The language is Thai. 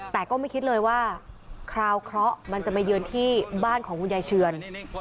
แต่ก็ไม่คิดเลยว่าคราวเคราะห์มันจะมาเยือนที่บ้านของคุณยายเชือน